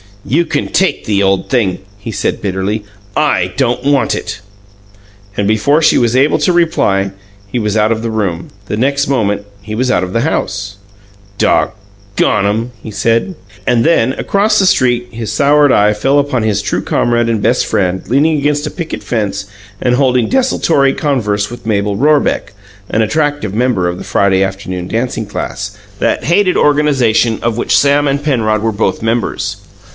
"You can take the old thing," he said bitterly. "I don't want it!" And before she was able to reply, he was out of the room. The next moment he was out of the house. "Daw GONE 'em!" he said. And then, across the street, his soured eye fell upon his true comrade and best friend leaning against a picket fence and holding desultory converse with Mabel Rorebeck, an attractive member of the Friday Afternoon Dancing Class, that hated organization of which Sam and Penrod were both members.